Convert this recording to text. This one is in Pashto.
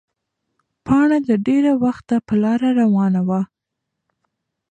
پاڼه له ډېره وخته په لاره روانه وه.